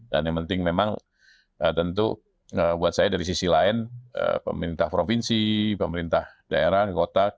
dan yang penting memang tentu buat saya dari sisi lain pemerintah provinsi pemerintah daerah kota